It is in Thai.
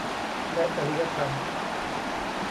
และจริยธรรม